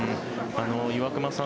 岩隈さん